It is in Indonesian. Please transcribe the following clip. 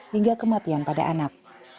hingga kematian pada anak